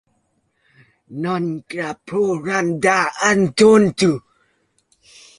Nơi góc phố lần đầu anh thổn thức